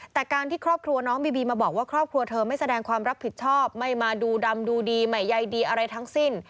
แต่การที่ครอบครัวน้องบีบีมาบอกว่าครอบครัวเธอไม่แสดงความรับผิดชอบไม่มาดูดำดูดีใหม่ใยดีอะไรทั้งสิ้น